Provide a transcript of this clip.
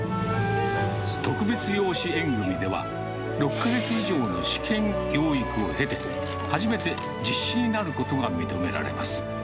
特別養子縁組みでは、６か月以上の試験養育を経て、初めて、実子になることが認められます。